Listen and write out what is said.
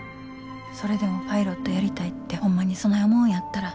それでもパイロットやりたいってホンマにそない思うんやったら。